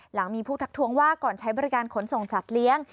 หลังมีผู้ทักทวงว่าก่อนใช้บริการขนส่งสัตว์เลี้ยง